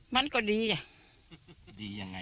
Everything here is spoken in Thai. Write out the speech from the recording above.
มันก็ดีใช่